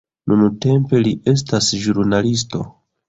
Nuntempe li estas ĵurnalisto.